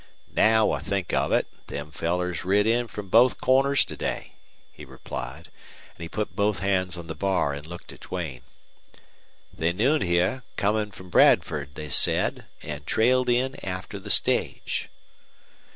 "Now I think of it, them fellers rid in from both corners today," he replied, and he put both hands on the bar and looked at Duane. "They nooned heah, comin' from Bradford, they said, an' trailed in after the stage."